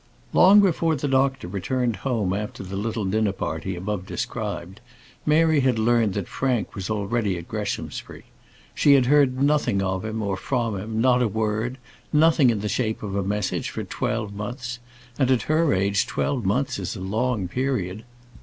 Long before the doctor returned home after the little dinner party above described, Mary had learnt that Frank was already at Greshamsbury. She had heard nothing of him or from him, not a word, nothing in the shape of a message, for twelve months; and at her age twelve months is a long period.